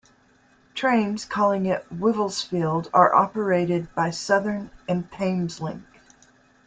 Trains calling at Wivelsfield are operated by Southern and Thameslink.